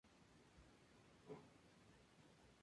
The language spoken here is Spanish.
Es una especie que se distribuye por Panamá.